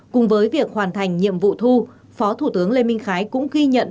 cùng với việc hoàn thành nhiệm vụ thu phó thủ tướng lê minh khái cũng ghi nhận